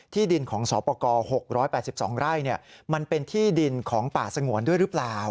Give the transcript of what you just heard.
ที่ดินของสอปกร๖๘๒ไร่มันเป็นที่ดินของป่าสงวนด้วยหรือเปล่า